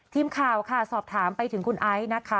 ทีมข่าวค่ะสอบถามไปถึงคุณไอซ์นะคะ